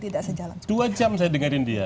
dua jam saya dengerin dia